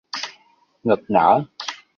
Ngực nở